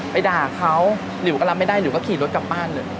ไปด่าเขาหลิวก็รับไม่ได้หิวก็ขี่รถกลับบ้านเลย